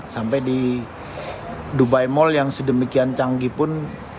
sampai di dubai mall yang sedemikian canggih pun